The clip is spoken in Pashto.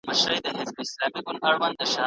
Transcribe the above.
ګلونه به وغوړيږي.